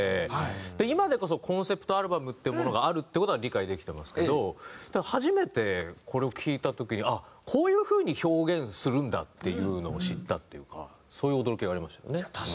今でこそコンセプトアルバムっていうものがあるって事は理解できてますけど初めてこれを聴いた時にあっこういう風に表現するんだっていうのを知ったっていうかそういう驚きがありましたよね。